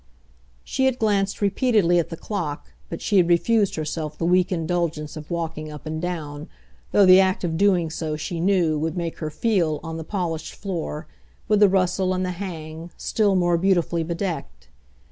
She had glanced repeatedly at the clock, but she had refused herself the weak indulgence of walking up and down, though the act of doing so, she knew, would make her feel, on the polished floor, with the rustle and the "hang," still more beautifully bedecked.